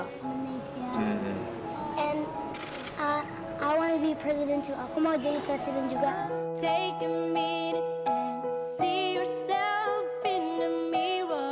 dan aku mau jadi presiden juga